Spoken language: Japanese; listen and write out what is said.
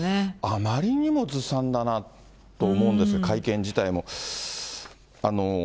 あまりにもずさんだなと思うんですよ、会見自体も。